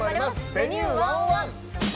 「Ｖｅｎｕｅ１０１」。